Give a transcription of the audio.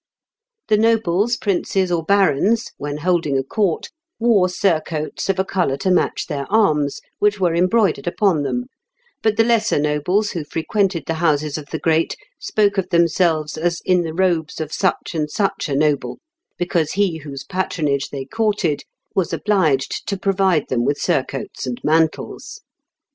The nobles, princes, or barons, when holding a court, wore surcoats of a colour to match their arms, which were embroidered upon them, but the lesser nobles who frequented the houses of the great spoke of themselves as in the robes of such and such a noble, because he whose patronage they courted was obliged to provide them with surcoats and mantles.